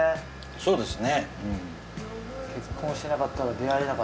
そうですね